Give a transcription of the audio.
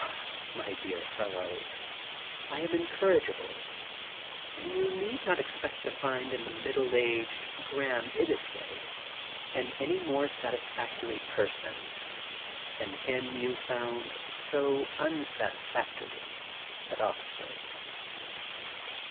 Ah, my dear fellow, I am incorrigible, and you need not expect to find in the middle aged Graham Iddesleigh an any more satis factory person than him you found so tmsatisfactory at Oxford.